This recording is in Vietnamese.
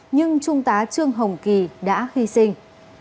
nhưng trung tá trương hồng kỳ đã hy sinh